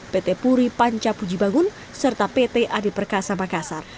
pt puri panca pujibagun serta pt adi perkasa makassar